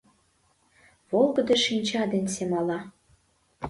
Волгыдо шинча ден семала.